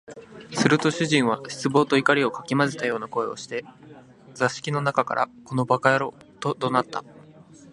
すると主人は失望と怒りを掻き交ぜたような声をして、座敷の中から「この馬鹿野郎」と怒鳴った